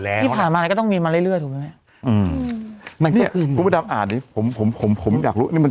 แล้วที่ผ่านมาก็ต้องเบียนมาเรื่อยถูกไหมผมอยากรู้นี่มัน